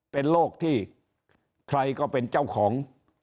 เป็นโรคที่ใครก็เป็นเจ้าของ